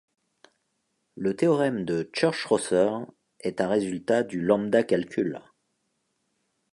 Le théorème de Church-Rosser est un résultat du lambda-calcul.